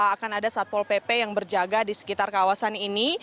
akan ada satpol pp yang berjaga di sekitar kawasan ini